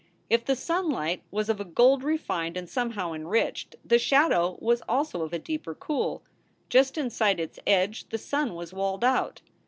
If the sunlight was of a gold refined and somehow enriched, the shadow was also of a deeper cool. Just inside its edge the sun was walled out.